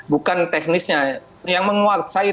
bukan teknisnya yang menguasai